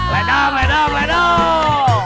ledang ledang ledang